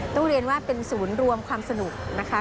ต้องเรียนว่าเป็นศูนย์รวมความสนุกนะคะ